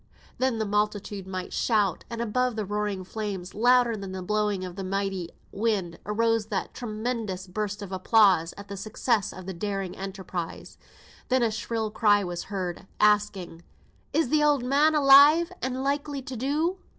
Then the multitude might shout; and above the roaring flames, louder than the blowing of the mighty wind, arose that tremendous burst of applause at the success of the daring enterprise. Then a shrill cry was heard, asking "Is the oud man alive, and likely to do?"